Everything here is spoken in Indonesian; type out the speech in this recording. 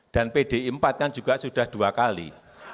dan pdi empat kan juga sudah dua kali